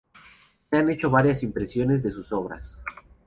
Se han hecho varias impresiones de sus obras.